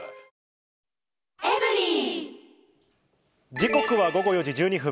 時刻は午後４時１２分。